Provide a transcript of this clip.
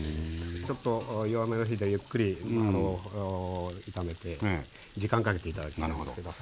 ちょっと弱めの火でゆっくり炒めて時間かけて頂きたいんですけど。